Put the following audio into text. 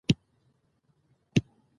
علم د حکومتولی وړتیا لوړوي.